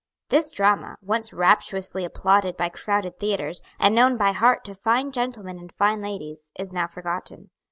This drama, once rapturously applauded by crowded theatres, and known by heart to fine gentlemen and fine ladies, is now forgotten.